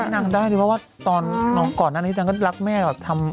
นางได้ดีกว่าว่าตอนน้องก่อนอันนี้นางก็รักแม่กว่าทำ